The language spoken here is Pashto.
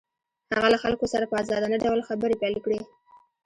هغه له خلکو سره په ازادانه ډول خبرې پيل کړې.